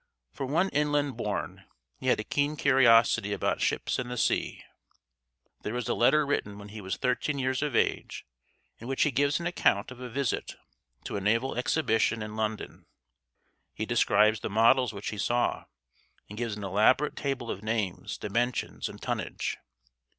For one inland born, he had a keen curiosity about ships and the sea. There is a letter written when he was thirteen years of age in which he gives an account of a visit to a naval exhibition in London. He describes the models which he saw, and gives an elaborate table of names, dimensions, and tonnage.